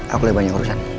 aku lebih banyak urusan